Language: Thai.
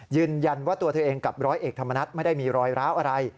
ยืนยันว่าตัวเธอเองกับร้อยเอกธรรมนัฐไม่ได้มีรอยร้าวอะไร